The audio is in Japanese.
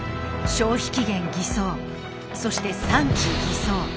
消費期限偽装そして産地偽装。